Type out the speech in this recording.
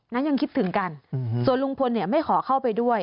นั้นยังคิดถึงกันส่วนลุงพลไม่ขอเข้าไปด้วย